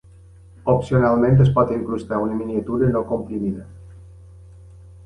Opcionalment es pot incrustar una miniatura no comprimida.